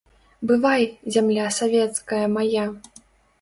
Бывай, зямля савецкая мая!